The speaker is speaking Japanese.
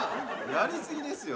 やり過ぎですよ